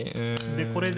でこれで。